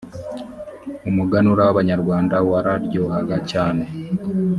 umuganura w ‘abanyarwanda wararyohaga cyane.